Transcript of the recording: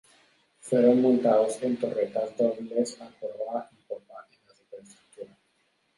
Fueron montados en torretas dobles a proa y popa de la superestructura.